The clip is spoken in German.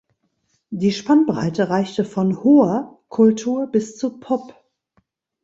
Die Spannbreite reichte von „hoher“ Kultur bis zu Pop.